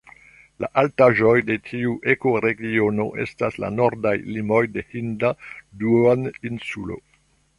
La altaĵoj de tiu ekoregiono estas la nordaj limoj de Hinda duoninsulo.